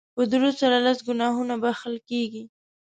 په درود سره لس ګناهونه بښل کیږي